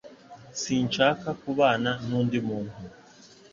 Sinshaka kubana n'undi muntu